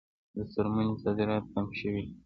د څرمنې صادرات کم شوي دي